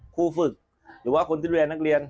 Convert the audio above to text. คู่ฝึกหรือว่าคนที่ดูแลนักเรียน